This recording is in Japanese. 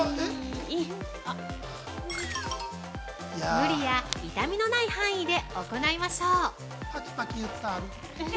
無理や痛みのない範囲で行いましょう。